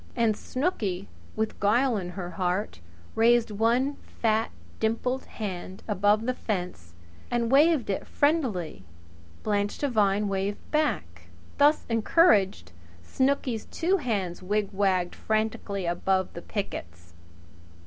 And Snooky, with guile in her heart, raised one fat, dimpled hand above the fence and waved it friendlily. Blanche Devine waved back. Thus encouraged, Snooky's two hands wigwagged frantically above the pickets.